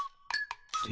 で？